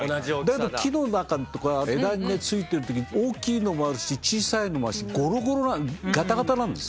だけど木の中とか枝についてる時大きいのもあるし小さいのもあるしゴロゴロガタガタなんです。